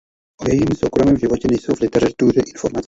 O jejím soukromém životě nejsou v literatuře informace.